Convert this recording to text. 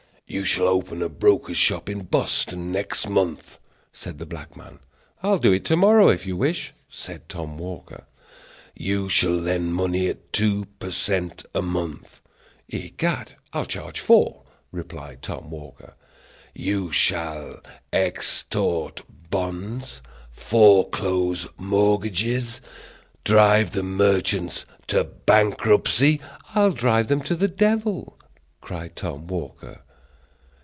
"You shall open a broker's shop in Boston next month," said the black man. "I'll do it to morrow, if you wish," said Tom Walker. "You shall lend money at two per cent. a month." "Egad, I'll charge four!" replied Tom Walker. "You shall extort bonds, foreclose mortgages, drive the merchants to bankruptcy " "I'll drive them to the devil," cried Tom Walker.